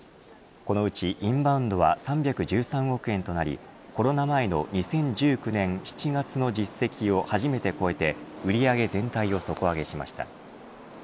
このうち、インバウンドは３１３億円となりコロナ前の２０１９年７月の実績を初めて超えて、売り上げ全体を底上げしました。